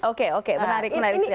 oke oke menarik menarik